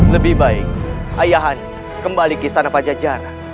lebih baik ayahanda kembali ke sana pajajara